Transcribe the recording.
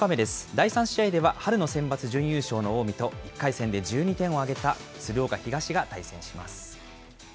第３試合では、春のセンバツ準優勝の近江と、１回戦で１２点を挙げた鶴岡東が対戦します。